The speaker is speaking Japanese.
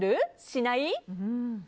しない？